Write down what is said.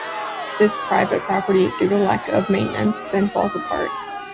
This private property, due to lack of maintenance, then falls apart.